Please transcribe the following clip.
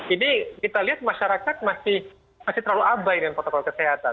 ini kita lihat masyarakat masih terlalu abai dengan protokol kesehatan